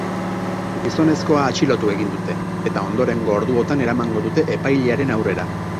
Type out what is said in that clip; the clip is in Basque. Gizonezkoa atxilotu egin dute, eta ondorengo orduotan eramango dute epailearen aurrera.